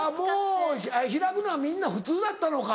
もう開くのはみんな普通だったのか。